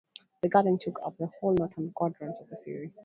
The garden took up the whole northwestern quadrant of the city.